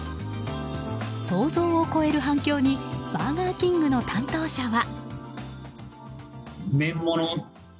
想像を超える反響にバーガーキングの担当者は。